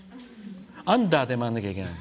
アンダーで回らなきゃいけない。